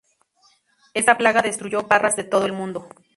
Esa plaga destruyó parras de todo el mundo.